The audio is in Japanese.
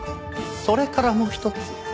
それからもう一つ。